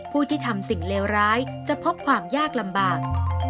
ผู้ที่ทำสิ่งเลวร้ายจะพบความยากลำบาก